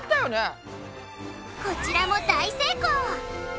こちらも大成功！